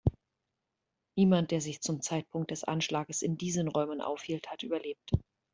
Niemand, der sich zum Zeitpunkt des Anschlages in diesen Räumen aufhielt, hat überlebt.